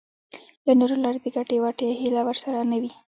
له نورو لارو د ګټې وټې هیله ورسره نه وي.